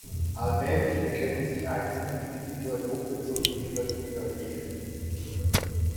Allmählich bekennen sich einzelne Mitglieder der Gruppe zu ihren Vergehen.